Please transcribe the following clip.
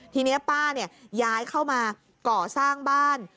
ทีนี้ป้าย้ายเข้ามาก่อสร้างบ้าน